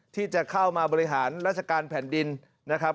ที่จะเข้ามาบริหารราชการแผ่นดินนะครับ